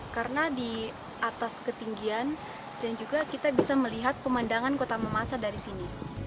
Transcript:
karena di atas ketinggian dan juga kita bisa melihat pemandangan kota mamasa dari sini